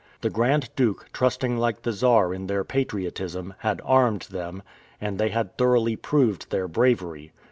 The Grand Duke, trusting like the Czar in their patriotism, had armed them, and they had thoroughly proved their bravery.